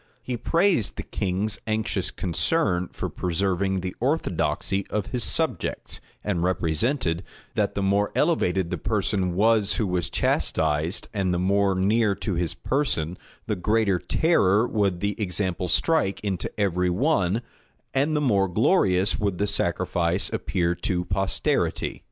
He praised the king's anxious concern for preserving the orthodoxy of his subjects; and represented, that the more elevated the person was who was chastised, and the more near to his person, the greater terror would the example strike into every one, and the more glorious would the sacrifice appear to posterity.